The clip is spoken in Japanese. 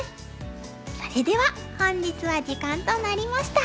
それでは本日は時間となりました。